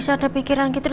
bisa ada pikiran gitu